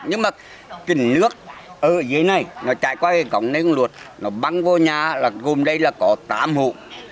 nhưng mà kỉnh nước ở dưới này nó chạy qua cái cổng này nó băng vô nhà gồm đây là có tám hộ